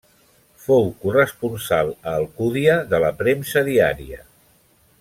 Fou corresponsal a Alcúdia de la premsa diària.